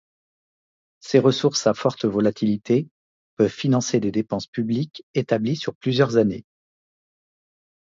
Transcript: Ces ressources à forte volatilité peuvent financer des dépenses publiques établies sur plusieurs années.